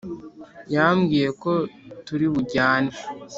yambwiye ko turibujyane